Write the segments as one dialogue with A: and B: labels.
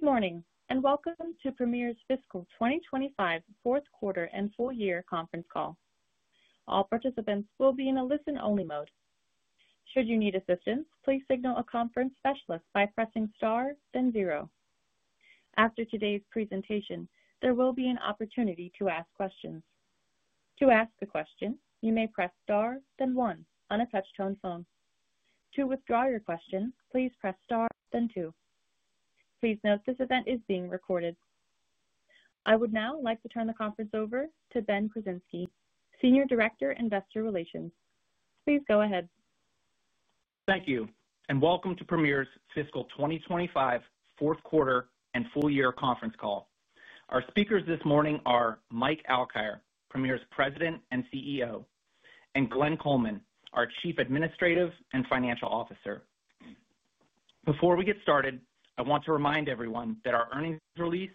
A: Good morning and welcome to Premier's Fiscal 2025 Fourth Quarter and Full Year Conference Call. All participants will be in a listen-only mode. Should you need assistance, please signal a conference specialist by pressing star then zero. After today's presentation, there will be an opportunity to ask questions. To ask a question, you may press star then one on a touchtone phone. To withdraw your question, please press star then two. Please note this event is being recorded. I would now like to turn the conference over to Ben Krasinski, Senior Director, Investor Relations. Please go ahead.
B: Thank you and welcome to Premier's Fiscal 2025 Fourth Quarter and Full Year Conference Call. Our speakers this morning are Mike Alkire, Premier's President and CEO, and Glenn Coleman, our Chief Administrative and Financial Officer. Before we get started, I want to remind everyone that our earnings release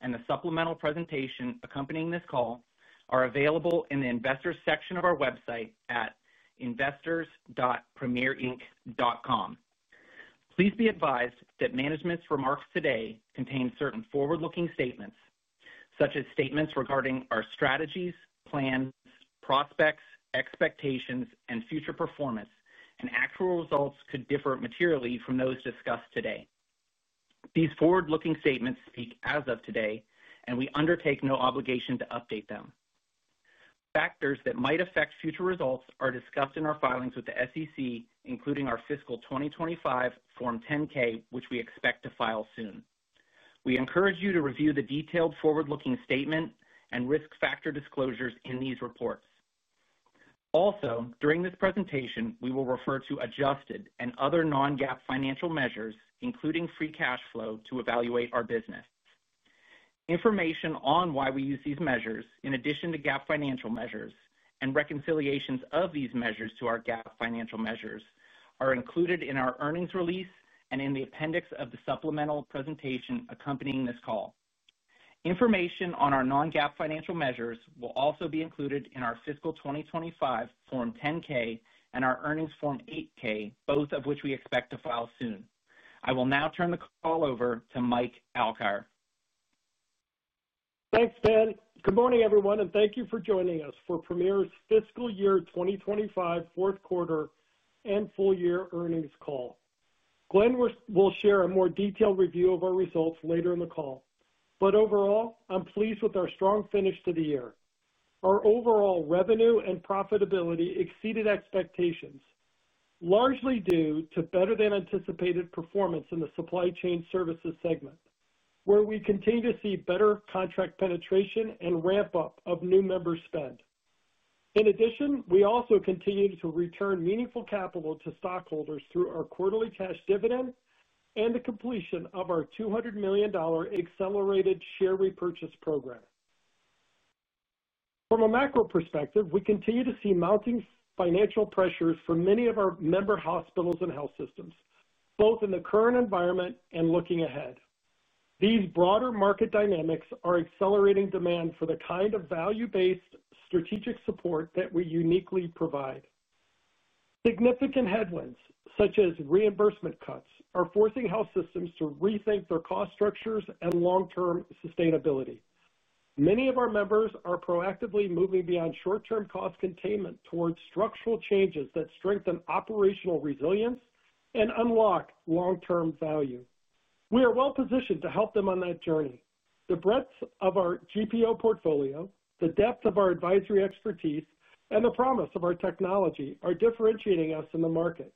B: and the supplemental presentation accompanying this call are available in the Investors section of our website at investors.premierinc.com. Please be advised that management's remarks today contain certain forward-looking statements such as statements regarding our strategies, plans, prospects, expectations, and future performance, and actual results could differ materially from those discussed today. These forward-looking statements speak as of today and we undertake no obligation to update them. Factors that might affect future results are discussed in our filings with the SEC, including our fiscal 2025 Form 10-K, which we expect to file soon. We encourage you to review the detailed forward-looking statement and risk factor disclosures in these reports. Also, during this presentation we will refer to adjusted and other non-GAAP financial measures, including free cash flow, to evaluate our business. Information on why we use these measures in addition to GAAP financial measures and reconciliations of these measures to our GAAP financial measures are included in our earnings release and in the appendix of the supplemental presentation accompanying this call. Information on our non-GAAP financial measures will also be included in our fiscal 2025 Form 10-K and our earnings Form 8-K, both of which we expect to file soon. I will now turn the call over to Mike Alkire.
C: Thanks Ben. Good morning everyone and thank you for joining us for Premier's Fiscal Year 2025 Fourth Quarter and Full Year Earnings Call. Glenn will share a more detailed review of our results later in the call, but overall I'm pleased with our strong finish to the year. Our overall revenue and profitability exceeded expectations, largely due to better than anticipated performance in the Supply Chain Services segment where we continue to see better contract penetration and ramp up of new member spend. In addition, we also continue to return meaningful capital to stockholders through our quarterly cash dividend and the completion of our $200 million accelerated share repurchase program. From a macro perspective, we continue to see mounting financial pressures for many of our member hospitals and health systems both in the current environment and looking ahead. These broader market dynamics are accelerating demand for the kind of value-based strategic support that we uniquely provide. Significant headwinds such as reimbursement cuts are forcing health systems to rethink their cost structures and long-term sustainability. Many of our members are proactively moving beyond short-term cost containment towards structural changes that strengthen operational resilience and unlock long-term value. We are well positioned to help them on that journey. The breadth of our GPO portfolio, the depth of our advisory expertise, and the promise of our technology are differentiating us in the market,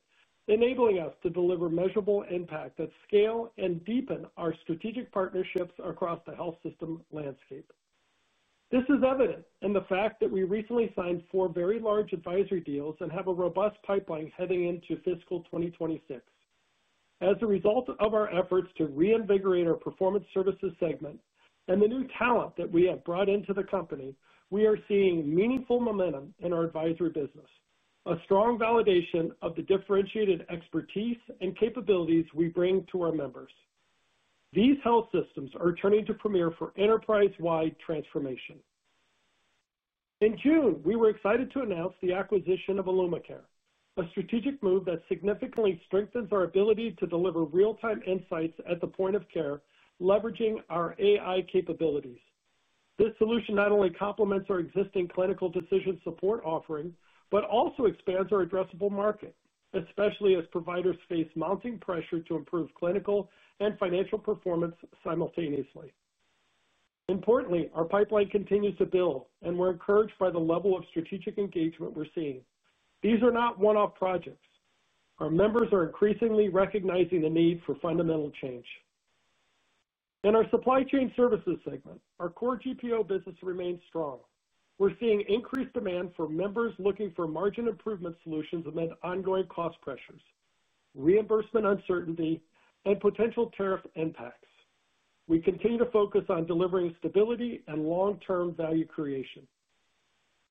C: enabling us to deliver measurable impact that scale and deepen our strategic partnerships across the health system landscape. This is evident in the fact that we recently signed four very large advisory deals and have a robust pipeline heading into fiscal 2026. As a result of our efforts to reinvigorate our performance services segment and the new talent that we have brought into the company, we are seeing meaningful momentum in our advisory business, a strong validation of the differentiated expertise and capabilities we bring to our members. These health systems are turning to Premier for enterprise-wide transformation. In June we were excited to announce the acquisition of IllumiCare, a strategic move that significantly strengthens our ability to deliver real-time insights at the point of care leveraging our AI capabilities. This solution not only complements our existing clinical decision support offering, but also expands our addressable market, especially as providers face mounting pressure to improve clinical and financial performance simultaneously. Importantly, our pipeline continues to build, and we're encouraged by the level of strategic engagement we're seeing. These are not one-off projects. Our members are increasingly recognizing the need for fundamental changes in our Supply Chain Services segment. Our core GPO business remains strong. We're seeing increased demand for members looking for margin improvement solutions amid ongoing cost pressures, reimbursement uncertainty, and potential tariff impacts. We continue to focus on delivering stability and long-term value creation.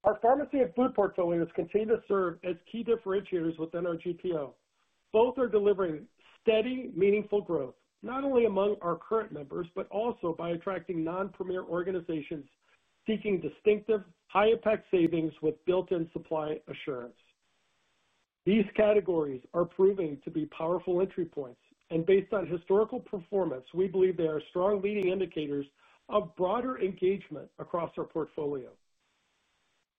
C: Our pharmacy and food portfolios continue to serve as key differentiators within our GPO. Both are delivering steady, meaningful growth not only among our current members, but also by attracting non-Premier organizations seeking distinctive, high-impact savings with built-in supply assurance. These categories are proving to be powerful entry points, and based on historical performance, we believe they are strong leading indicators of broader engagement across our portfolio.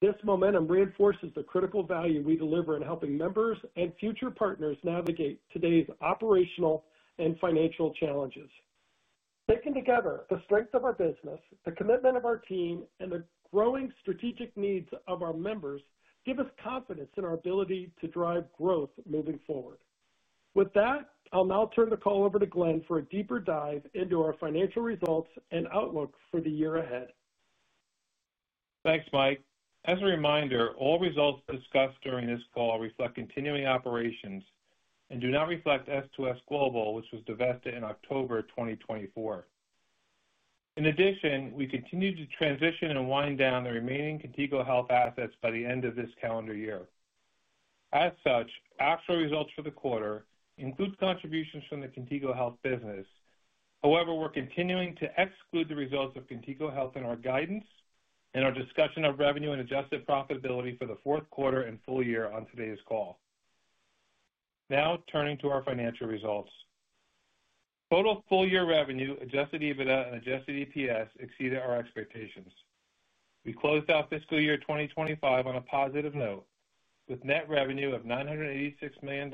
C: This momentum reinforces the critical value we deliver in helping members and future partners navigate today's operational and financial challenges. Taken together, the strength of our business, the commitment of our team, and the growing strategic needs of our members give us confidence in our ability to drive growth. Moving forward with that, I'll now turn the call over to Glenn for a deeper dive into our financial results and outlook for the year ahead.
D: Thanks, Mike. As a reminder, all results discussed during. This call reflects continuing operations and do. Not reflect S2S Global, which was divested in October 2024. In addition, we continue to transition and wind down the remaining Contigo Health assets. By the end of this calendar year. As such, actual results for the quarter include contributions from the Contigo Health business. However, we're continuing to exclude the results of Contigo Health in our guidance and our discussion of revenue and adjusted profitability for the fourth quarter and full year on today's call. Now turning to our financial results, total full year revenue, adjusted EBITDA and adjusted EPS exceeded our expectations. We closed out fiscal year 2025 on a positive note with net revenue of $986 million,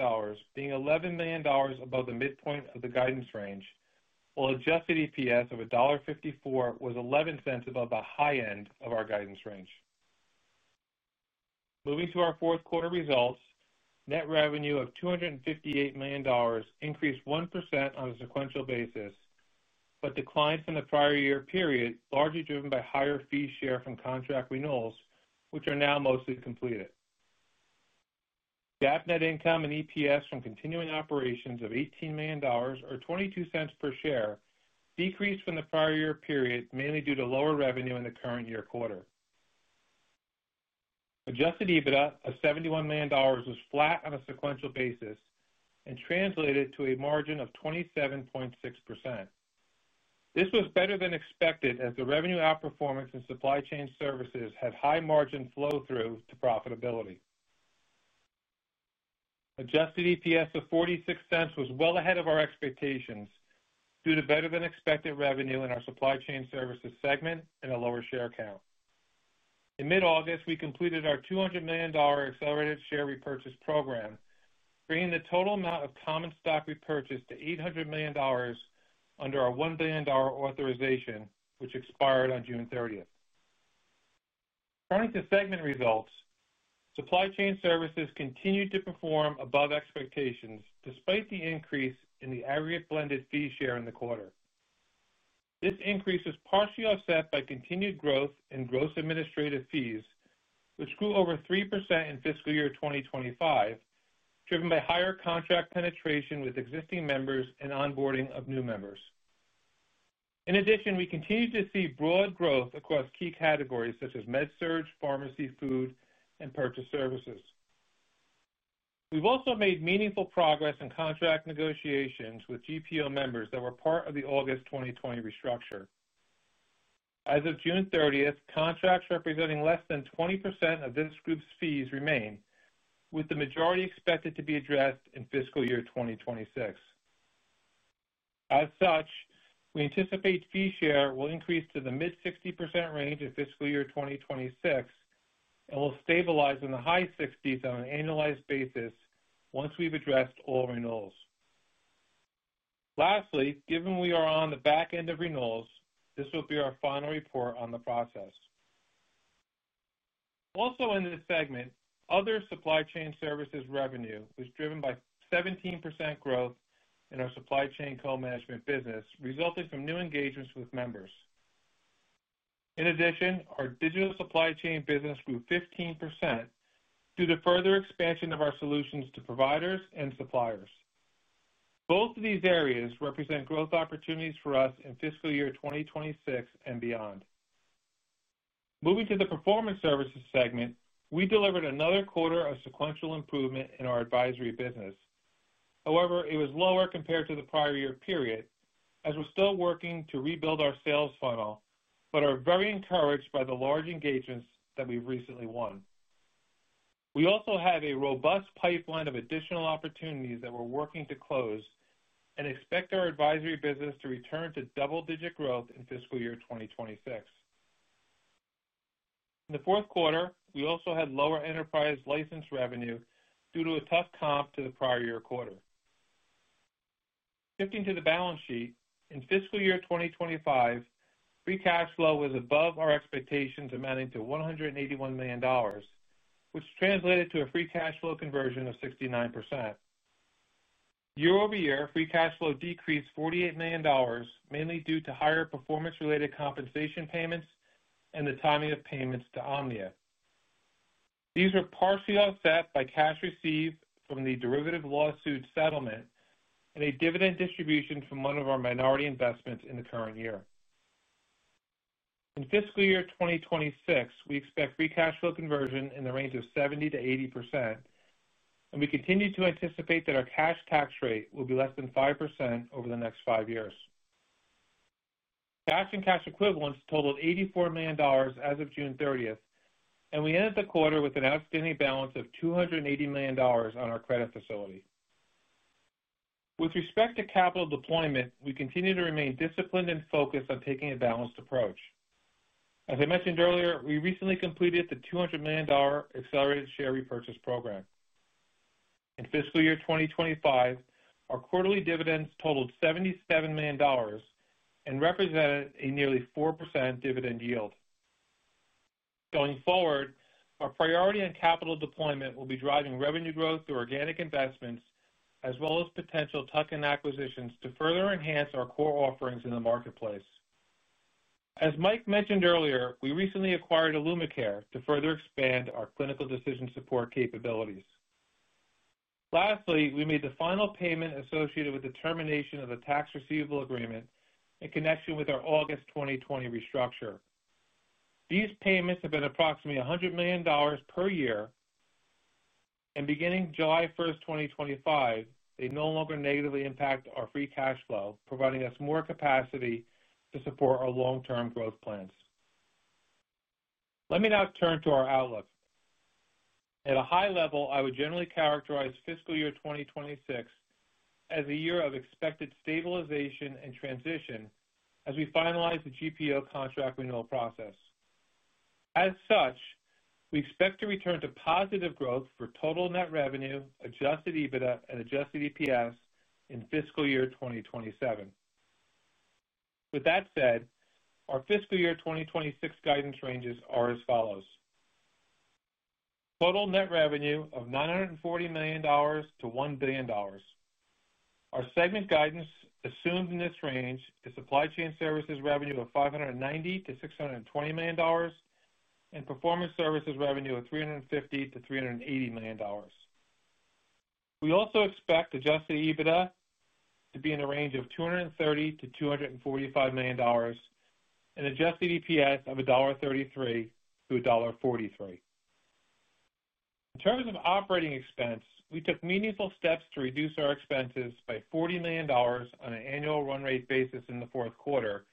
D: being $11 million above the midpoint of the guidance range, while adjusted EPS of $1.54 was $0.11 above the. High end of our guidance range. Moving to our fourth quarter results, net revenue of $258 million increased 1% on a sequential basis but declined from the prior year period, largely driven by higher fee share from contract renewals which are now mostly completed. GAAP net income and EPS from continuing operations of $18 million or $0.22 per share decreased from the prior year period mainly due to lower revenue. In the current year quarter, adjusted EBITDA of $71 million was flat on a sequential basis and translated to a margin of 27.6%. This was better than expected as the revenue outperformance in Supply Chain Services had high margin flow through to profitability. Adjusted EPS of $0.46 was well ahead of our expectations due to better than expected revenue in our Supply Chain Services segment. A lower share count in mid August, we completed our $200 million accelerated share repurchase program, bringing the total amount of common stock repurchased to $800 million under our $1 billion authorization, which expired on June 30. Turning to segment results, Supply Chain Services continued to perform above expectations despite the increase in the aggregate blended fee share in the quarter. This increase is partially offset by continued growth in gross administrative fees which grew over 3% in fiscal year 2025 driven by higher contract penetration with existing members and onboarding of new members. In addition, we continue to see broad growth across key categories such as Med, Surg, Pharmacy, food and purchase services. We've also made meaningful progress in contract negotiations with GPO members that were part of the August 2020 restructure. As of June 30th, contracts representing less than 20% of group fees remain with the majority expected to be addressed in fiscal year 2026. As such, we anticipate fee share will increase to the mid 60% range of fiscal year 2026 and will stabilize in the high 60s on an annualized basis once we've addressed all renewals. Lastly, given we are on the back end of renewals, this will be our final report on the process. Also in this segment, other Supply Chain Services revenue was driven by 17% growth in our supply chain co-management business resulting from new engagements with members. In addition, our digital supply chain business grew 15% due to further expansion of our solutions to providers and suppliers. Both of these areas represent growth opportunities for us in fiscal year 2026 and beyond. Moving to the performance services segment, we delivered another quarter of sequential improvement in our advisory business. However, it was lower compared to the prior year period as we're still working to rebuild our sales funnel but are very encouraged by the large engagements that we've recently won. We also have a robust pipeline of additional opportunities that we're working to close and expect our advisory business to return to double-digit growth in fiscal year 2026. In the fourth quarter, we also had lower enterprise license revenue due to a tough comp to the prior year quarter. Shifting to the balance sheet in fiscal year 2025, free cash flow was above our expectations, amounting to $181 million, which translated to a free cash flow conversion of 69% year-over-year. Free cash flow decreased $48 million mainly due to higher performance-related compensation payments and the timing of payments to OMNIA. These are partially offset by cash received from the derivative lawsuit settlement and a dividend distribution from one of our minority investments in the current year. In fiscal year 2026, we expect free cash flow conversion in the range of 70%-80%, and we continue to anticipate that our cash tax rate will be less than 5% over the next five years. Cash and cash equivalents totaled $84 million as of June 30th, and we ended the quarter with an outstanding balance of $280 million on our credit facility. With respect to capital deployment, we continue to remain disciplined and focused on taking a balanced approach. As I mentioned earlier, we recently completed the $200 million accelerated share repurchase program. In fiscal year 2025, our quarterly dividends totaled $77 million and represented a nearly 4% dividend yield. Going forward, our priority in capital deployment will be driving revenue growth through organic investments as well as potential tuck-in acquisitions to further enhance our core offerings in the marketplace. As Mike mentioned earlier, we recently acquired IllumiCare to further expand our clinical decision support capabilities. Lastly, we made the final payment associated with the termination of the tax receivable agreement in connection with our August 2020 restructure. These payments have been approximately $100 million per year, and beginning July 1st, 2025, they no longer negatively impact our free cash flow, providing us more capacity to support our long-term growth plans. Let me now turn to our outlook at a high level. I would generally characterize fiscal year 2026 as a year of expected stabilization and transition as we finalize the GPO contract renewal process. As such, we expect to return to positive growth for total net revenue, adjusted EBITDA, and adjusted EPS in fiscal year 2027. With that said, our fiscal year 2026 guidance ranges are as follows. Total net revenue of $940 million to $1 billion. Our segment guidance assumed in this range is Supply Chain Services revenue of $590 million-$620 million and performance services revenue of $350 million-$380 million. We also expect adjusted EBITDA to be in a range of $230 million-$245 million and adjusted EPS of $1.33-$1.43. In terms of operating expense, we took meaningful steps to reduce our expenses by $40 million on an annual run rate basis in the fourth quarter,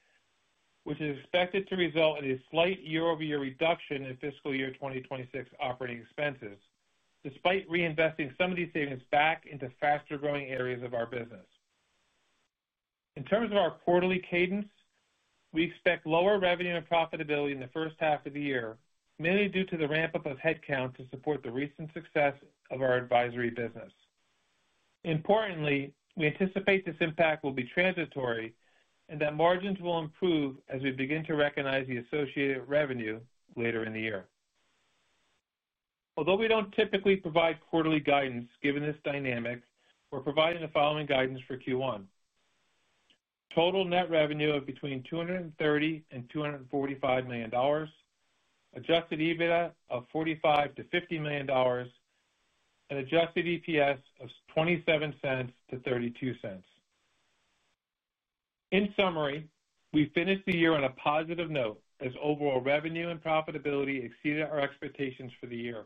D: which is expected to result in a slight year-over-year reduction in fiscal year 2026 operating expenses. Despite reinvesting some of these savings back into faster growing areas of our business, in terms of our quarterly cadence, we expect lower revenue and profitability in the first half of the year, mainly due to the ramp up of headcount to support the recent success of our advisory business. Importantly, we anticipate this impact will be transitory and that margins will improve as we begin to recognize the associated revenue later in the year. Although we don't typically provide quarterly guidance, given this dynamic, we're providing the following guidance for Q1: total net revenue of between $230 million-$245 million, adjusted EBITDA of $45 million-$50 million, and adjusted EPS of $0.27-$0.32. In summary, we finished the year on a positive note as overall revenue and profitability exceeded our expectations for the year.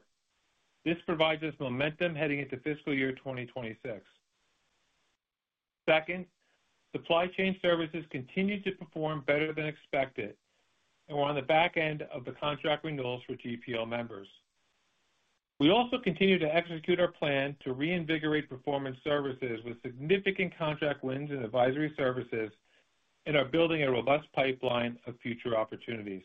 D: This provides us momentum heading into fiscal year 2026. Second, Supply Chain Services continue to perform better than expected and we're on the back end of the contract renewals for GPO members. We also continue to execute our plan to reinvigorate performance services with significant contract wins in advisory services and are building a robust pipeline of future opportunities.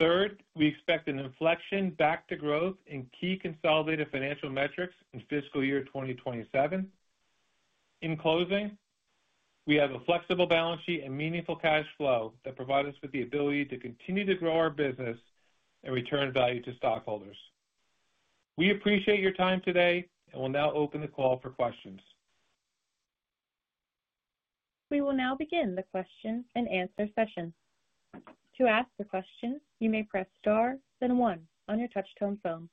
D: Third, we expect an inflection back to growth in key consolidated financial metrics in fiscal year 2027. In closing, we have a flexible balance sheet and meaningful cash flow that provide us with the ability to continue to grow our business and return value to stockholders. We appreciate your time today and will now open the call for questions.
A: We will now begin the question and answer session. To ask a question, you may press star then one on your touchtone phone.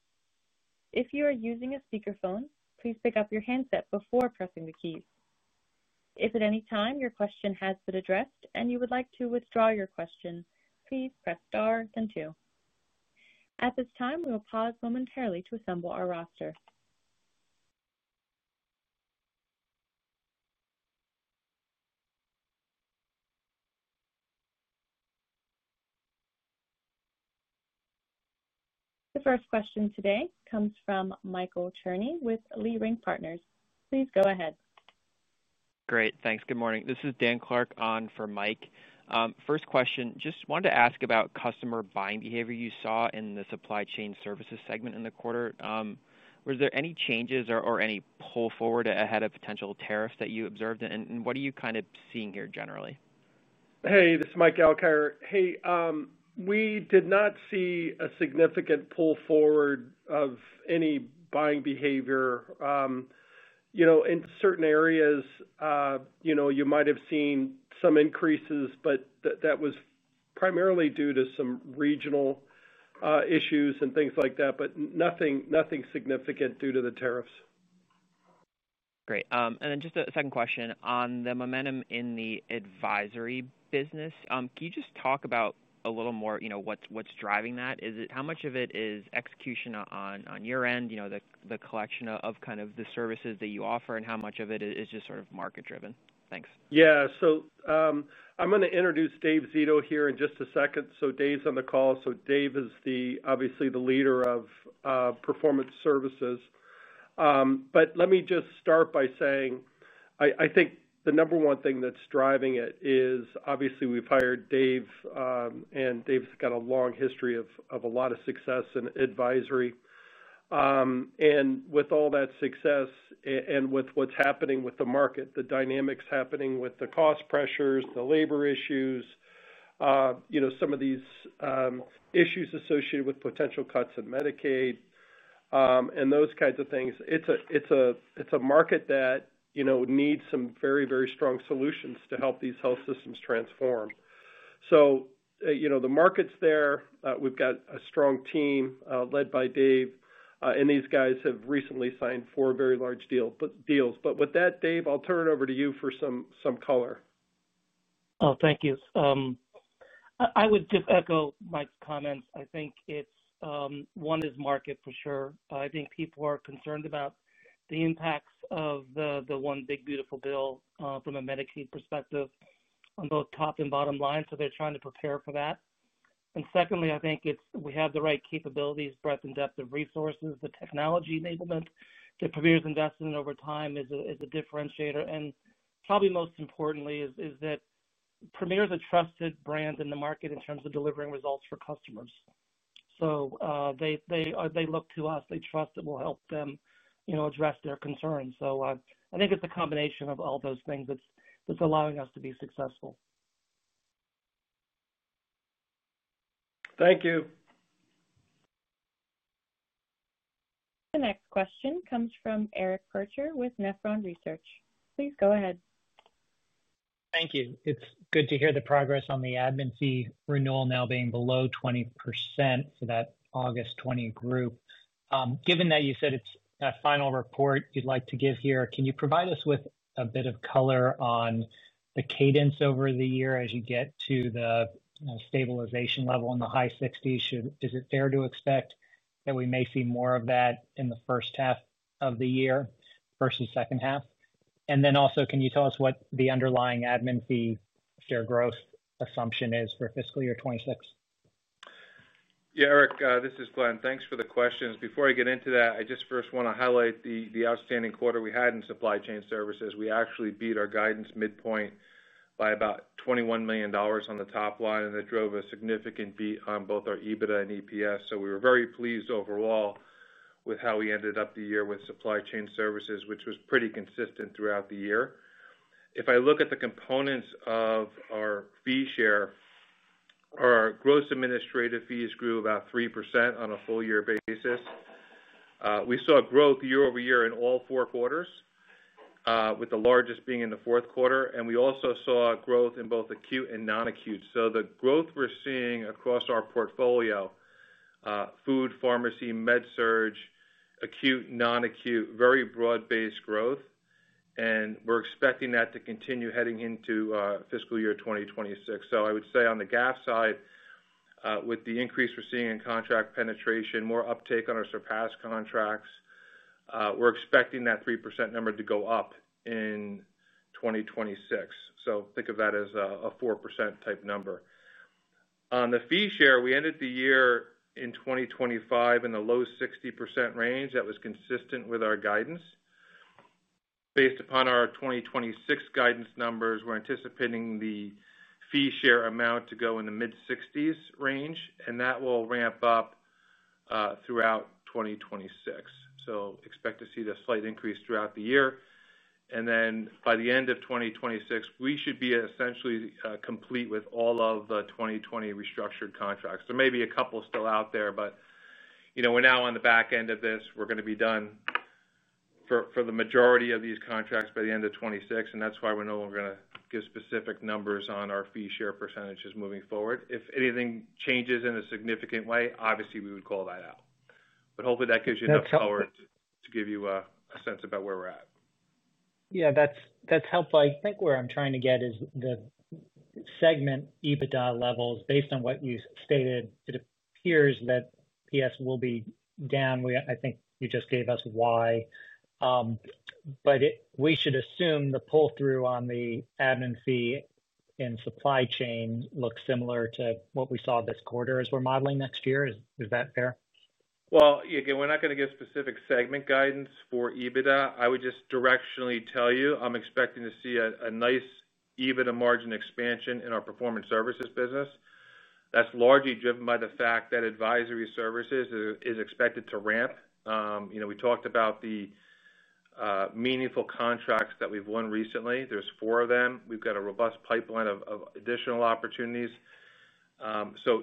A: If you are using a speakerphone, please pick up your handset before pressing the keys. If at any time your question has been addressed and you would like to withdraw your question, please press star then two. At this time, we will pause momentarily to assemble our roster. The first question today comes from Michael Cherny with Leerink Partners. Please go ahead.
E: Great, thanks. Good morning. This is Dan Clark on for Mike. First question, just wanted to ask about customer buying behavior you saw in the Supply Chain Services segment in the quarter. Was there any changes or any pull forward ahead of potential tariffs that you observed, and what are you kind of seeing here generally?
C: Hey, this is Mike Alkire. Hey. We did not see a significant pull forward of any buying behavior. In certain areas, you might have seen some increases, but that was primarily due to some regional issues and things like that. Nothing significant due to the tariffs.
E: Great. Just a second question on the momentum in the advisory business. Can you talk a little more about what's driving that? Is it how much of it is execution on your end, the collection of the services that you offer, and how much of it is just market driven?
C: Thanks. Yeah. I'm going to introduce Dave Zito here in just a second. Dave's on the call. Dave is obviously the leader of Performance Services. Let me just start by saying I think the number one thing that's driving it is we've hired Dave and Dave's got a long history of a lot of success in advisory. With all that success and with what's happening with the market, the dynamics happening with the cost pressures, the labor issues, some of these issues associated with potential cuts in Medicaid and those kinds of things, it's a market that needs some very, very strong solutions to help these health systems transform. The market's there, we've got a strong team led by Dave and these guys have recently signed four very large deals. With that, Dave, I'll turn it over to you for some color.
F: Thank you. I would just echo Mike's comments. I think it's one is market for sure. I think people are concerned about the impacts of the one big beautiful bill from a Medicaid perspective on both top and bottom line. They're trying to prepare for that. Secondly, I think it's we have the right capabilities, breadth and depth of resources. The technology enablement that Premier's invested in over time is a differentiator. Probably most importantly is that Premier is a trusted brand in the market in terms of delivering results for customers. They look to us, they trust that we'll help them address their concerns. I think it's a combination of all those things that's allowing us to be successful.
E: Thank you.
A: The next question comes from Eric Percher with Nephron Research. Please go ahead.
G: Thank you. It's good to hear the progress on the admin fee renewal now being below 23% for that August 20th group. Given that you said it's a final report you'd like to give here, can you provide us with a bit of color on the cadence over the year as you get to the stabilization level in the high 60%, is it fair to expect that we may see more of that in the first half of the year versus second half? Also, can you tell us what the underlying admin fee share growth assumption is for fiscal year 2026?
D: Yeah. Eric, this is Glenn. Thanks for the questions. Before I get into that, I just first want to highlight the outstanding quarter we had in Supply Chain Services. We actually beat our guidance midpoint by about $21 million on the top line, and it drove a significant beat on both our EBITDA and EPS. We were very pleased overall with how we ended up the year with Supply Chain Services, which was pretty consistent throughout the year. If I look at the components of our fee share, our gross administrative fees grew about 3% on a full year basis. We saw growth year-over-year in. All four quarters, with the largest being in the fourth quarter. We also saw growth in both acute and non-acute. The growth we're seeing across our. Portfolio, Food, Pharmacy, Med, Surg, acute, non-acute, very broad-based growth, and we're expecting that to continue heading into fiscal year 2026. I would say on the GPO side, with the increase we're seeing in contract penetration, more uptake on our Surpass contracts, we're expecting that 3% number to go up in 2026. Think of that as a 4% type number on the fee share. We ended the year in 2025 in the low 60% range. That was consistent with our guidance. Based upon our 2026 guidance numbers, we're anticipating the fee share amount to go in the mid-60% range, and that will ramp up throughout 2026. Expect to see the slight increase throughout the year, and then by the end of 2026 we should be essentially complete with all of the 2020 restructured contracts. There may be a couple still out. We're now on the back end of this. We're going to be done for the majority of these contracts by the end of 2026. That's why we're no longer going to give specific numbers on our fee share percentages moving forward. If anything changes in a significant way. Obviously, we would call that out. Hopefully that gives you enough power too. Give you a sense about where we're at.
G: Yeah, that's helpful. I think where I'm trying to get is the segment EBITDA levels. Based on what you stated, it appears that PS will be down. I think you just gave us why. We should assume the pull through on the admin fee and supply chain looks similar to what we saw this quarter as we're modeling next year. Is that fair?
D: We're not going to give specific segment guidance for EBITDA. I would just directionally tell you I'm expecting to see a nice EBITDA margin expansion in our performance services business. That's largely driven by the fact that advisory services is expected to ramp. You know, we talked about the meaningful contracts that we've won recently. There's four of them. We've got a robust pipeline of additional opportunities.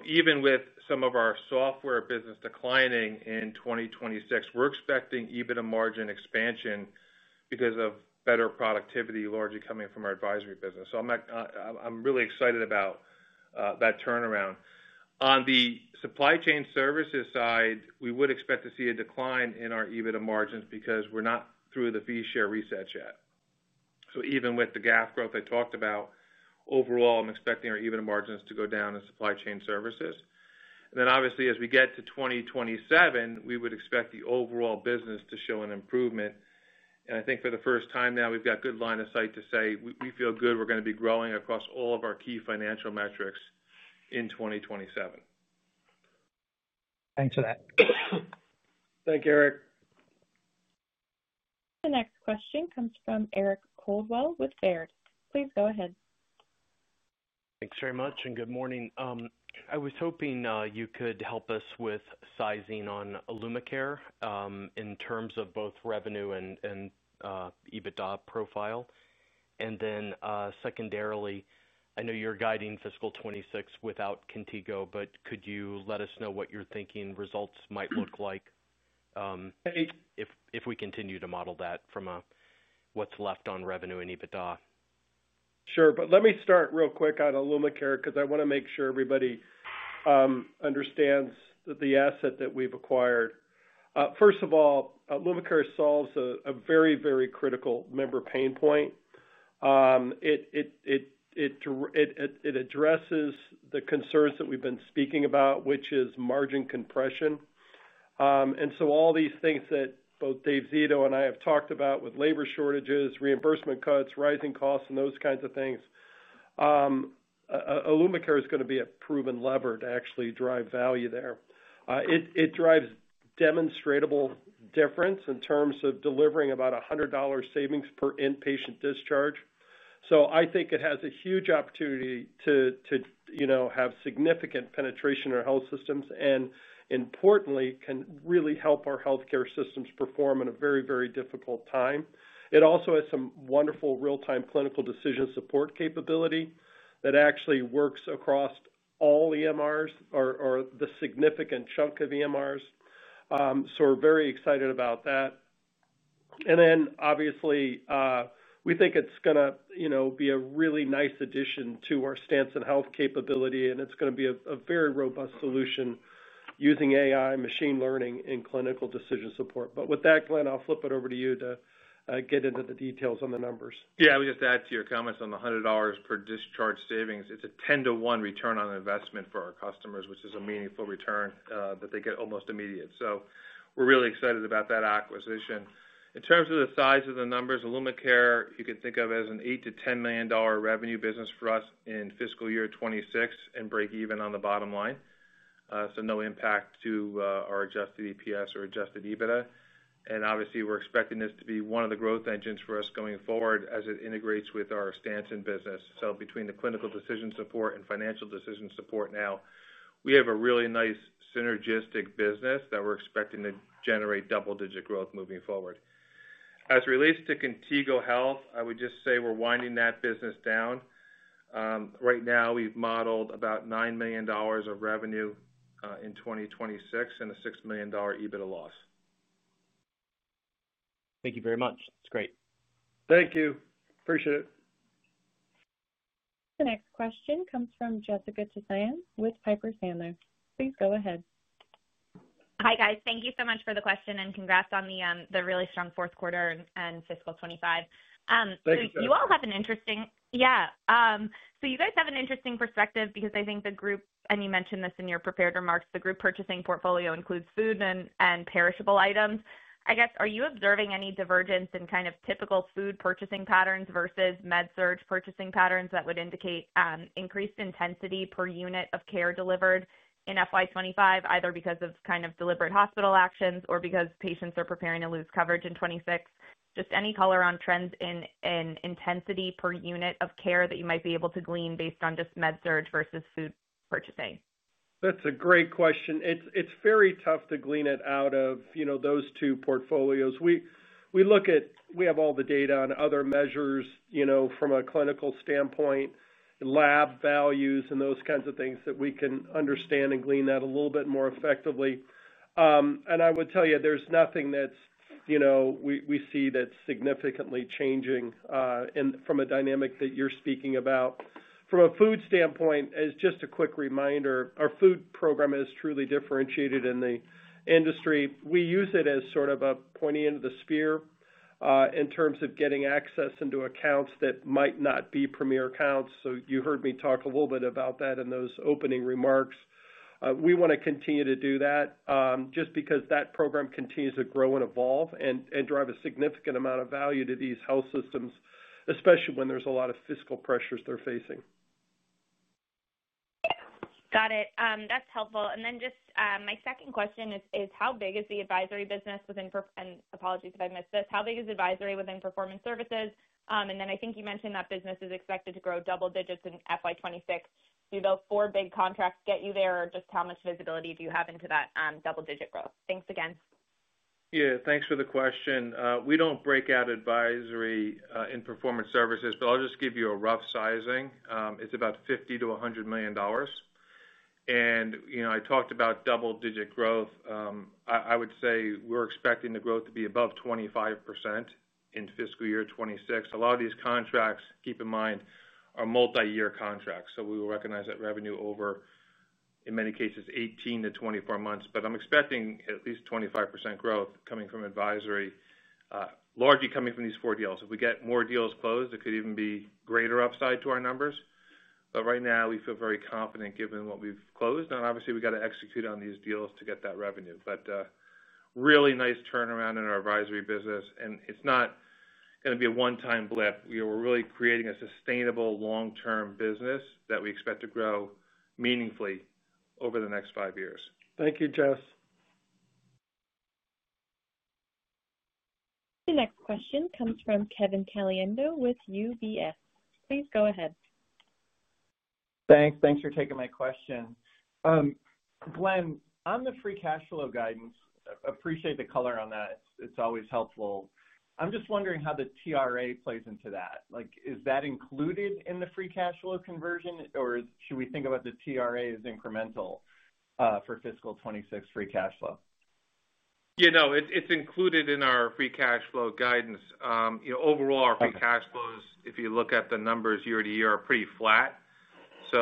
D: Even with some of our software business declining in 2026, we're expecting EBITDA margin expansion because of better productivity, largely coming from our advisory business. I'm really excited about that turnaround. On the Supply Chain Services side, we would expect to see a decline in our EBITDA margins because we're not through the fee share reset yet. Even with the GAAP growth I talked about, overall, I'm expecting our EBITDA margins to go down in Supply Chain Services. Obviously, as we get to 2027, we would expect the overall business to show an improvement. I think for the first time now we've got good line of sight to say we feel good. We're going to be growing across all of our key financial metrics in 2027.
G: Thanks for that.
D: Thank you, Eric.
A: The next question comes from Eric Coldwell with Baird. Please go ahead.
H: Thanks very much and good morning. I was hoping you could help us with sizing on IllumiCare in terms of both revenue and EBITDA profile. Secondarily, I know you're guiding fiscal 2026 without Contigo, but could you let us know what your thinking results might look like if we continue to model that from what's left on revenue and EBITDA?
C: Sure. Let me start real quick on IllumiCare, because I want to make sure everybody understands the asset that we've acquired. First of all, IllumiCare solves a very, very critical member pain point. It addresses the concerns that we've been speaking about, which is margin compression. All these things that both Dave Zito and I have talked about with labor shortages, reimbursement cuts, rising costs, and those kinds of things. IllumiCare is going to be a proven lever to actually drive value there. It drives demonstrable difference in terms of delivering about $100 savings per inpatient discharge. I think it has a huge opportunity to have significant penetration in our health systems and, importantly, can really help our healthcare systems perform in a very, very difficult time. It also has some wonderful real-time clinical decision support capability that actually works across all EMRs or a significant chunk of EMRs. We're very excited about that. Obviously, we think it's going to be a really nice addition to our stance and health capability, and it's going to be a very robust solution using AI, machine learning, and clinical decision support. With that, Glenn, I'll flip it over to you to get into the details on the numbers.
D: Yeah, I would just add to your point. Comments on the $100 per discharge savings. It's a 10-1 return on investment for our customers, which is a meaningful full return that they get almost immediate. We're really excited about that acquisition. In terms of the size of the numbers. IllumiCare you can think of as an $8-$10 million revenue business for us in fiscal year 2026 and break even on the bottom line. No impact to our adjusted EPS or adjusted EBITDA. Obviously we're expecting this to be one of the growth engines for us going forward as it integrates with our Stanson business. Between the clinical decision support and financial decision support, now we have a really nice synergistic business that we're expecting to generate double-digit growth moving forward. As it relates to Contigo Health, I would just say we're winding that business down right now. We've modeled about $9 million of revenue in 2026 and a $6 million EBITDA loss.
H: Thank you very much. It's great.
C: Thank you. Appreciate it.
A: The next question comes from Jessica Tassan with Piper Sandler. Please go ahead. Hi guys.
I: Thank you so much for the question, and congrats on the really strong fourth quarter and fiscal 2025.
D: Thank you.
I: You guys have an interesting perspective because I think the group, and you mentioned this in your prepared remarks, the group purchasing portfolio includes food and perishable items, I guess. Are you observing any divergence in kind of typical food purchasing patterns versus med surg purchasing patterns that would indicate increased intensity per unit of care delivered in FY 2025, either because of kind of deliberate hospital actions or because patients are preparing to lose coverage in 2026? Just any color on trends in an intensity per unit of care that you might be able to glean based on just med surg versus food purchasing?
C: That's a great question. It's very tough to glean it out of those two portfolios we look at. We have all the data on other measures from a clinical standpoint, lab values and those kinds of things that we can understand and glean that a little bit more effectively. I would tell you there's nothing that we see that's significantly changing. From a dynamic that you're speaking about from a food standpoint, as just a quick reminder, our food program is truly differentiated in the industry. We use it as sort of a pointing into the sphere in terms of getting access into accounts that might not be Premier accounts. You heard me talk a little bit about that in those opening remarks. We want to continue to do that just because that program continues to grow and evolve and drive a significant amount of value to these health systems, especially when there's a lot of fiscal pressures they're facing.
I: Got it. That's helpful. Just my second question is how big is the advisory business within, and apologies if I missed this, how big is advisory within performance services? I think you mentioned that business is expected to grow double digits in FY 2026. Do those four big contracts get you there, or just how much visibility do you have into that double digit growth? Thanks again.
D: Thank you for the question. We don't break out advisory in performance services, but I'll just give you a rough sizing. It's about $50 milion-$100 million. You know I talked about double digit growth. I would say we're expecting the growth to be above 25% in fiscal year 2026. A lot of these contracts, keep in mind, are multi-year contracts. We will recognize that revenue over, in many cases, 18-24 months. I'm expecting at least 25% growth coming from advisory, largely coming from these four deals. If we get more deals closed, it could even be greater upside to our numbers. Right now we feel very confident given what we've closed, and obviously we got to execute on these deals to get that revenue. Really nice turnaround in our advisory business. It's not going to be a one-time blip. We're really creating a sustainable long-term business that we expect to grow meaningfully over the next five years.
C: Thank you, Jess.
A: The next question comes from Kevin Caliendo with UBS. Please go ahead.
J: Thanks for taking my question, Glenn, on the free cash flow guidance. Appreciate the color on that. It's always helpful. I'm just wondering how the TRA play into that. Like, is that included in the free? Cash flow conversion, or should we think about the TRA as incremental for fiscal 2026 free cash flow?
D: You know, it's included in our free cash flow guidance. You know, overall, our free cash flows. If you look at the numbers year. To year are pretty flat. There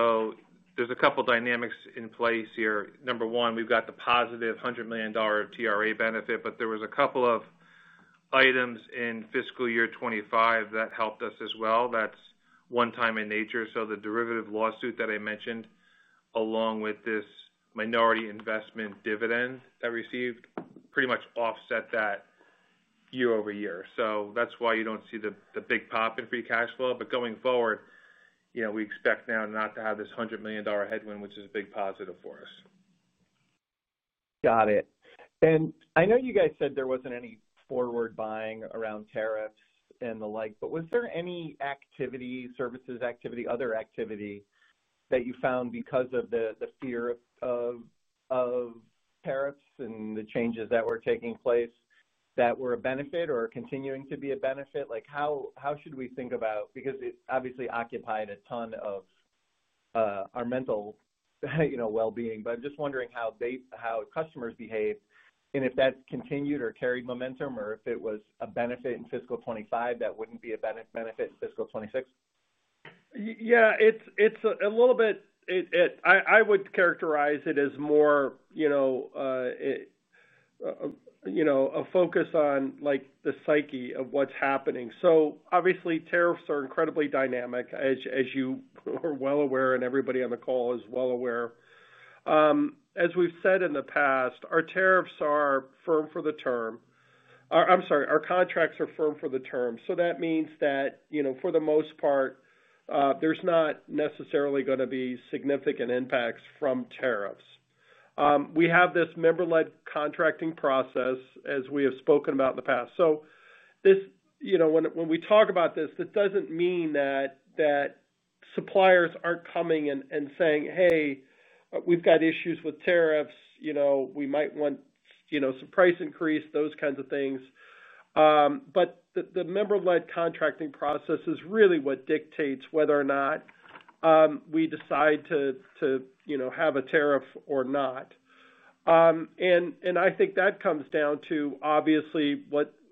D: are a couple dynamics in place here. Number one, we've got the positive $100 million TRA benefit, but there was a couple of items in fiscal year 2025 that helped us as well. That's one time in nature. The derivative lawsuit that I mentioned, along with this minority investment dividend. Received pretty much offset that year-over-year. That is why you don't see the big pop in free cash flow. Going forward, you know, we expect now not to have this $100 million headwind, which is a big positive for us.
J: Got it. I know you guys said there wasn't any forward buying around tariffs. Was there any activity, services activity, other activity that you found? Because of the fear of tariffs. The changes that were taking place that were a benefit or continuing to be a benefit, how should we think about that? Because it obviously occupied a ton of our mental well-being. I'm just wondering how customers behave and if that's continued or carried momentum, or if it was a benefit in fiscal 2025 that wouldn't be a benefit in fiscal 2026.
C: Yeah, it's a little bit. I would characterize it as more a focus on the psyche of what's happening. Obviously, tariffs are incredibly dynamic, as you are well aware and everybody on the call is aware. As we've said in the past, our contracts are firm for the term. That means that for the most part there's not necessarily going to be significant impacts from tariffs. We have this member led contracting process as we have spoken about in the past. When we talk about this, that doesn't mean that suppliers aren't coming and saying, hey, we've got issues with tariffs, we might want some price increase, those kinds of things. The member led contracting process is really what dictates whether or not we decide to have a tariff or not. I think that comes down to, obviously,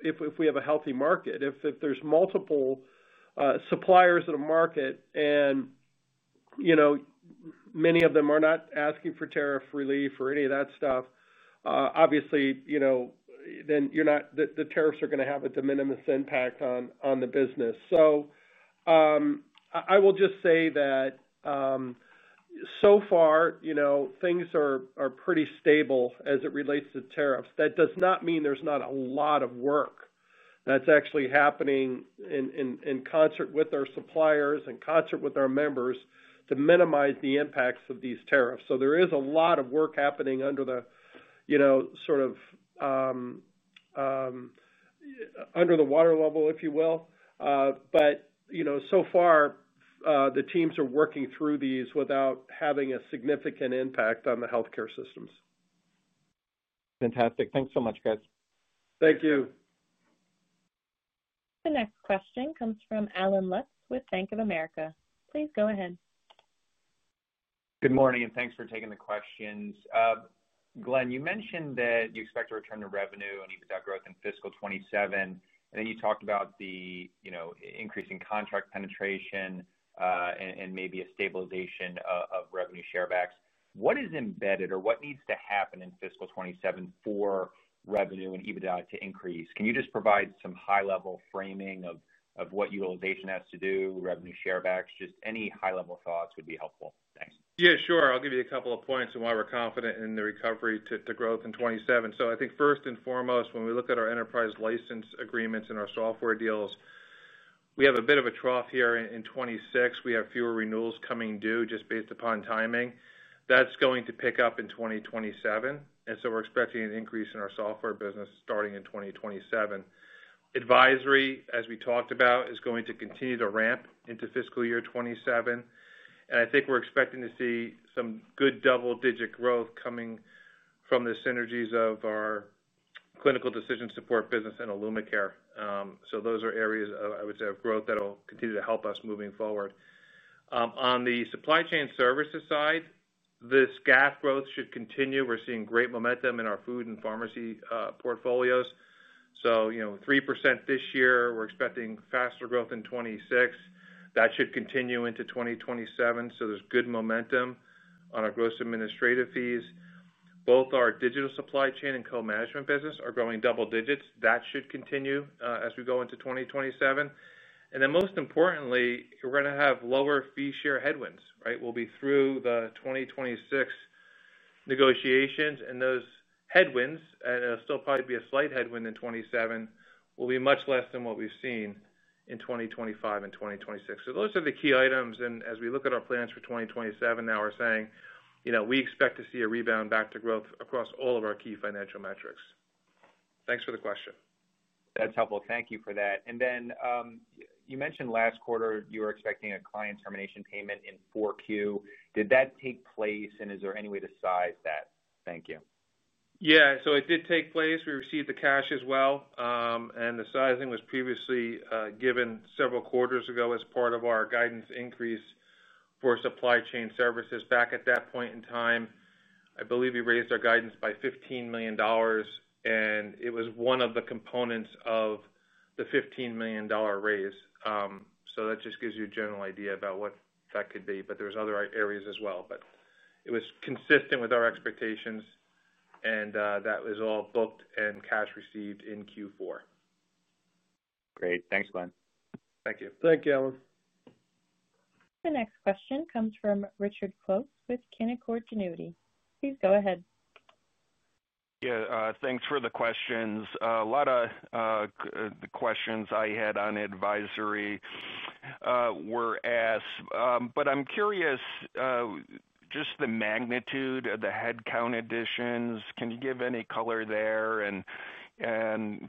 C: if we have a healthy market, if there's multiple suppliers in the market and many of them are not asking for tariff relief or any of that stuff, then the tariffs are going to have a de minimis impact on the business. I will just say that so far, things are pretty stable as it relates to tariffs. That does not mean there's not a lot of work that's actually happening in concert with our suppliers, in concert with our members to minimize the impacts of these tariffs. There is a lot of work happening under the water level, if you will. So far the teams are working through these without having a significant impact on the healthcare systems. Fantastic.
J: Thanks so much, guys.
C: Thank you.
A: The next question comes from Allen Lutz with Bank of America. Please go ahead.
K: Good morning and thanks for taking the questions. Glenn, you mentioned that you expect a return to revenue and EBITDA growth in fiscal 2027. You talked about the increasing contract penetration and maybe a stabilization of revenue sharebacks. What is embedded or what needs to happen in fiscal 2027 for revenue and EBITDA to increase? Can you just provide some high level framing of what utilization has to do? Revenue, sharebacks. Just any high level thoughts would be helpful. Thanks.
D: Yeah, sure. I'll give you a couple of points. On why we're confident in the recovery to growth in 2027. I think first and foremost when we look at our enterprise license agreements and our software deals, we have a bit of a trough here in 2026. We have fewer renewals coming due just based upon timing. That's going to pick up in 2027, and we're expecting an increase in our software business starting in 2027. Advisory, as we talked about, is going to continue to ramp into fiscal year 2027. I think we're expecting to see some good double digit growth coming from the synergies of our clinical decision support business and IllumiCare. Those are areas I would say of growth that will continue to help us moving forward. On the Supply Chain Services side, this. Gas growth should continue. We're seeing great momentum in our food and pharmacy portfolios. You know, 3% this year. We're expecting faster growth in 2026 that should continue into 2027. There's good momentum on our gross administrative fees. Both our digital supply chain and co-management businesses are growing double digits. That should continue as we go into 2027. Most importantly, we're going to. Have lower fee share headwinds. Right. We'll be through the 2026 negotiations and those headwinds, and it'll still probably be. A slight headwind in 2027 will be much less than what we've seen in 2025 and 2026. Those are the key items. As we look at our plans. For 2027, now we're saying, you know, we expect to see a rebound back to growth across all of our key financial metrics. Thanks for the question, that's helpful.
K: Thank you for that. You mentioned last quarter you were expecting a client termination payment in 4Q. Did that take place, and is there any way to size that? Thank you. Yeah, it did take place.
D: We received the cash as well, and the sizing was previously given several quarters ago as part of our guidance increase for Supply Chain Services. At that point in time, I believe we raised our guidance by $15 million, and it was one of the components of the $15 million raise. That just gives you a general idea about what that could be. There are other areas as well. It was consistent with our expectations, and that was all booked and cash received in Q4.
K: Great. Thanks, Glenn.
D: Thank you.
C: Thank you, Ben.
A: The next question comes from Richard Close with Canaccord Genuity. Please go ahead.
L: Yeah, thanks for the questions. A lot of the questions I had on advisory were asked, but I'm curious just the magnitude of the headcount additions. Can you give any color there, and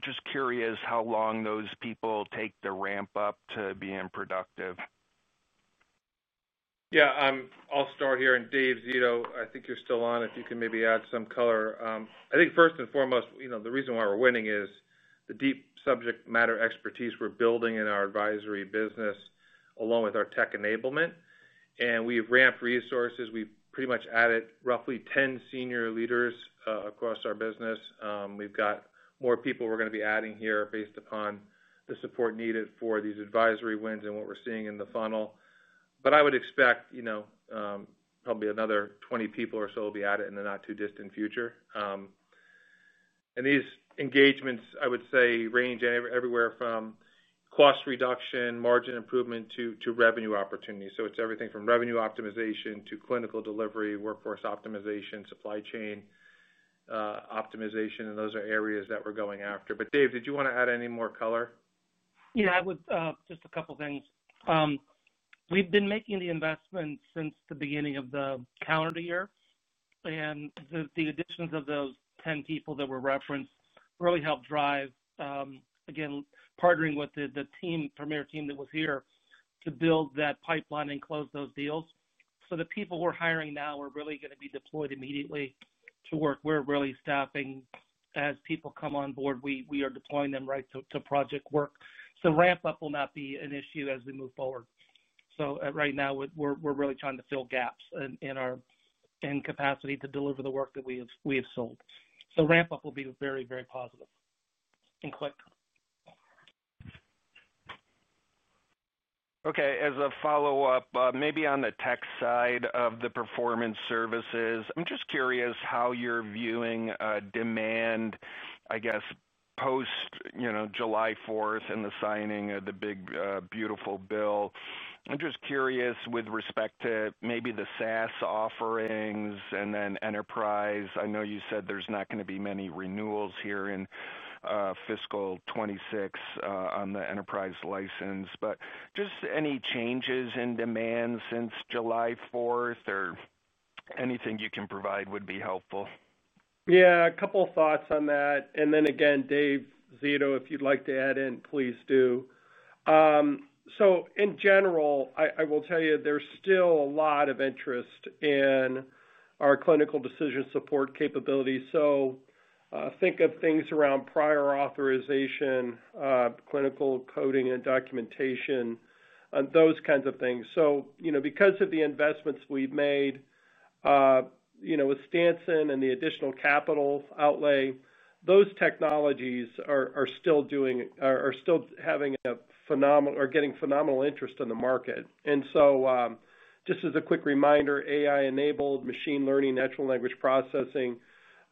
L: just curious how long those people take to ramp up to being productive.
D: Yeah, I'll start here. Dave Zito, I think you're still on if you can maybe add some color. I think first and foremost, the reason why we're winning is the deep subject matter expertise we're building in our advisory business along with our tech enablement. We've ramped resources. We pretty much added roughly 10 senior leaders across our business. We've got more people we're going to be adding here based upon the support needed for these advisory wins and what we're seeing in the funnel. I would expect probably another 20 people or so will be added in the not too distant future. These engagements, I would say, range everywhere from cost reduction, margin improvement to revenue opportunity. It's everything from revenue optimization to clinical delivery, workforce optimization, supply chain optimization, and those are areas that we're going after. Dave, did you want to add any more color?
F: Yeah, I would. Just a couple things. We've been making the investment since the beginning of the calendar year, and the additions of those 10 people that were referenced really helped drive again partnering with the Premier team that was here to build that pipeline and close those deals. The people we're hiring now are really going to be deployed immediately to work. We're really stopping as people come on board, we are deploying them right to project work. Ramp up will not be an issue as we move forward. Right now we're really trying to fill gaps in our end capacity to deliver the work that we have sold. The ramp up will be very, very positive and quick.
L: Okay. As a follow-up, maybe on the tech side of the performance services, I'm just curious how you're viewing demand, I guess post July 4th and the signing of the big beautiful bill. I'm just curious with respect to maybe the SaaS offerings and then enterprise. I know you said there's not going to be many renewals here in fiscal 2026 on the enterprise license, but just any changes in demand since July 4th or anything you can provide would be helpful.
C: there's still a lot of interest in our clinical decision support capabilities. Think of things around prior authorization, clinical coding and documentation and those kinds of things. Because of the investments we've made with Stanson and the additional capital outlay, those technologies are still getting phenomenal interest in the market. Just as Yeah, a couple thoughts on that. Then again, Dave Zito, if you'd like to add in, please do so. In general, I will tell you there's still a lot of interest in our clinical decision support capabilities. Think of things around prior authorization, clinical coding and documentation and those kinds of things. Because of the investments we've made with Stanson and the additional capital outlay, those technologies are still having a phenomenal, are getting phenomenal interest in the market. Just as a quick reminder, AI-enabled machine learning, natural language processing,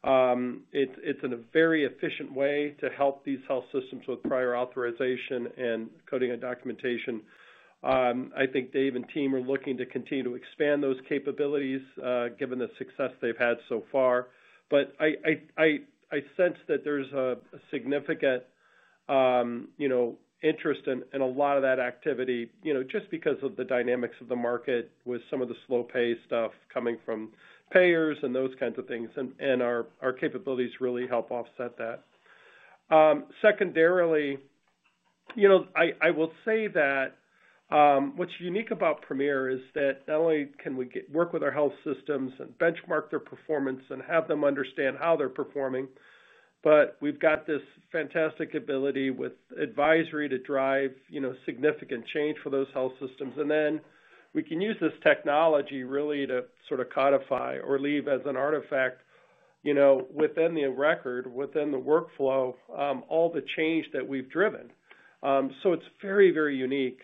C: it's in a very efficient way to help these health systems with prior authorization and coding and documentation. I think Dave and team are looking to continue to expand those capabilities given the success they've had so far. I sense that there's a significant interest in a lot of that activity just because of the dynamics of the market with some of the slow pay stuff coming from payers and those kinds of things. Our capabilities really help offset that. Secondarily, I will say that what's unique about Premier is that not only can we work with our health systems and benchmark their performance and have them understand how they're performing, we've got this fantastic ability with advisory to drive significant change for those health systems. We can use this technology really to sort of codify or leave as an artifact within the record, within the workflow, all the change that we've driven. It's very, very unique.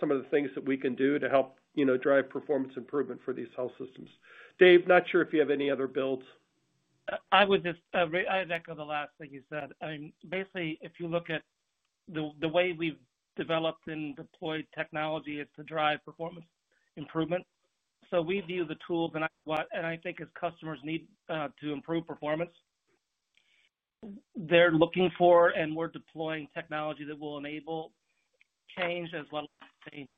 C: Some of the things that we can do help drive performance improvement for these health systems. Dave, not sure if you have any other builds.
F: I'd echo the last thing you said. Basically, if you look at the way we've developed and deployed technology, it is to drive performance improvement. We view the tools and what, and I think as customers need to. Improve performance. They're looking for and we're deploying technology that will enable change as well. Change.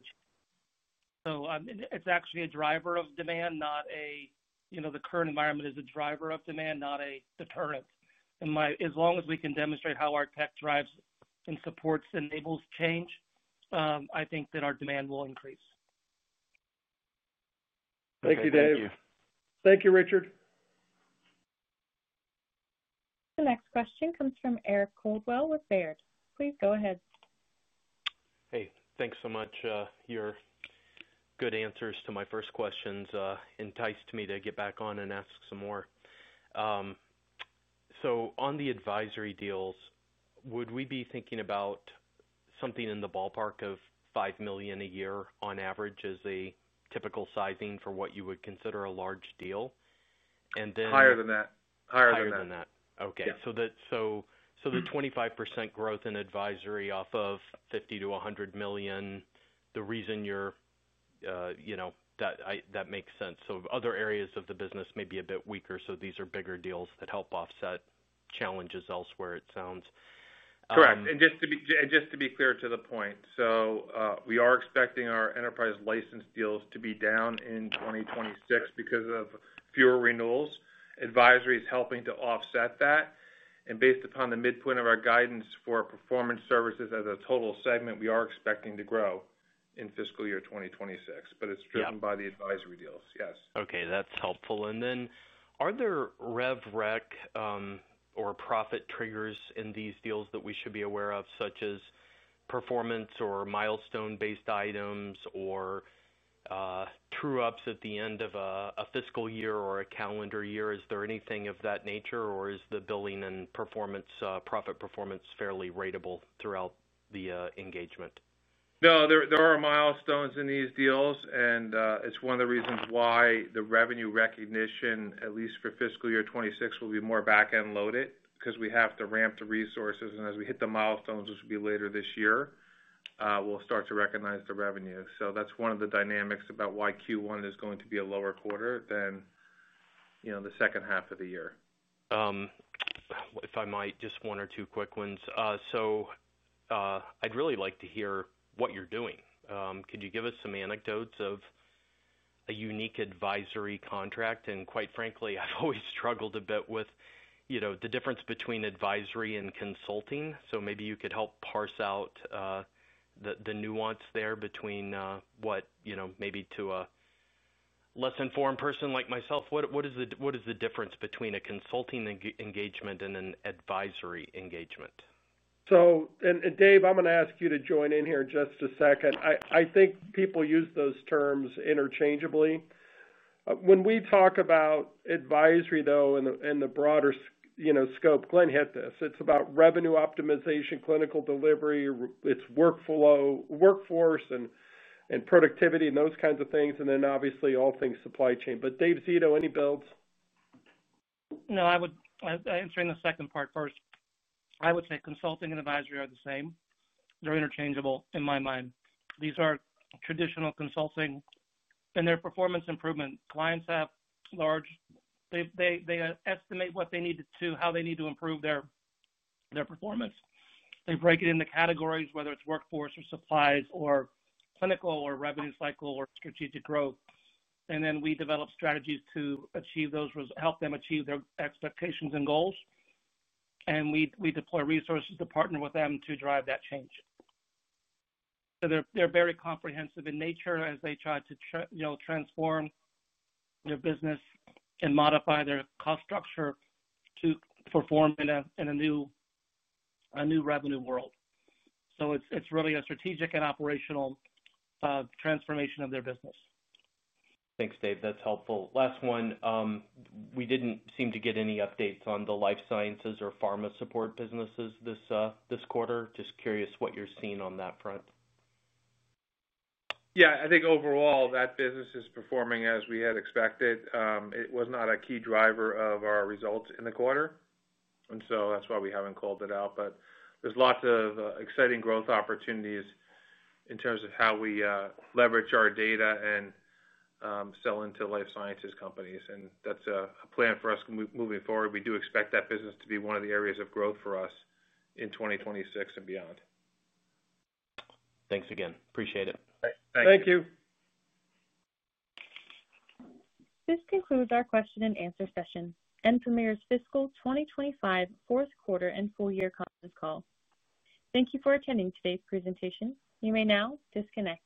F: It's actually a driver of demand, not a, you know, the current environment is a driver of demand, not a deterrent. As long as we can demonstrate how our tech drives and supports, enables change, I think that our demand will increase.
L: Thank you, Dave.
F: Thank you, Richard.
A: The next question comes from Eric Coldwell with Baird. Please go ahead.
H: Thank you so much. Your good answers to my first questions enticed me to get back on and ask some more. On the advisory deals, would we be thinking about something in the ballpark of $5 million a year on average as a typical sizing for what you would consider a large deal and then
D: higher than that?
H: Higher than that. Higher than that. Okay, so the 25% growth in advisory off of $50 million-$100 million, the reason you're, you know, that that makes sense. Other areas of the business may be a bit weaker. These are bigger deals that help offset challenges elsewhere. It sounds
D: correct. Just to be. Clear to the point, we are expecting our enterprise license deals to be down in 2026 because of fewer renewals. Advisory is helping to offset that, and based upon the midpoint of our guidance for performance services as a total segment, we are expecting to grow in fiscal year 2026. It's driven by the advisory deals. Yes.
H: Okay, that's helpful. Are there rev rec or profit triggers in these deals that we should be aware of, such as performance or milestone-based items or true-ups at the end of a fiscal year or a calendar year? Is there anything of that nature, or is the billing and profit performance fairly ratable throughout the engagement?
D: No, there are milestones in these deals. It is one of the reasons why the revenue recognition, at least for fiscal year 2026, will be more back-end loaded because we have to ramp the resources. As we hit the milestones, which will be later this year, we'll start to recognize the revenue. That is one of the dynamics about why Q1 is going to be a lower quarter than the second. Half of the year.
H: If I might, just one or two quick ones. I'd really like to hear what you're doing. Could you give us some anecdotes of a unique advisory contract? Quite frankly, I've always struggled a bit with, you know, the difference between advisory and consulting. Maybe you could help parse out the nuance there between what, you know, maybe to a less informed person like myself, what is the difference between a consulting engagement and an advisory engagement?
C: Dave, I'm going to ask you to join in here in just a second. I think people use those terms interchangeably when we talk about advisory, though, in the broader scope. Glenn, hit this. It's about revenue optimization, clinical delivery, it's workflow, workforce, and productivity and those kinds of things. Obviously, all things supply chain. Dave Zito, any builds?
F: I would. Answering the second part first, I would say consulting and advisory are the same. They're interchangeable in my mind. These are traditional consulting and their performance improvement clients have large. They estimate what they need to, how they need to improve their performance. They break it into categories, whether it's workforce or supplies or clinical or revenue cycle or strategic growth. We develop strategies to achieve those, help them achieve their expectations and goals, and we deploy resources to partner with them to drive that change. They're very comprehensive in nature as they try to transform their business and modify their cost structure to perform in a new revenue world. It is really a strategic and operational. Transformation of their business.
H: Thanks, Dave. That's helpful. Last one. We didn't seem to get any updates on the life sciences or pharma support businesses this quarter. Just curious what you're seeing on that front.
C: Yeah, I think overall that business is. Performing as we had expected. It was not a key driver of our results in the quarter. That's why we haven't called it out. There are lots of exciting growth opportunities in terms of how we leverage our data and sell into life sciences companies, and that's a plan for us moving forward. We do expect that business to be one of the areas of growth for us in 2026 and beyond.
H: Thanks again.
D: Appreciate it.
C: Thank. You.
A: This concludes our question session, Premier's fiscal 2025 fourth quarter and full year conference call. Thank you for attending today's presentation. You may now disconnect.